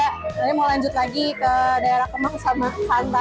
sebenarnya mau lanjut lagi ke daerah kemang sama hanta